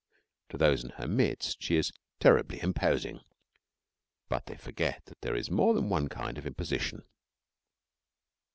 To those in her midst she is terribly imposing, but they forget that there is more than one kind of imposition.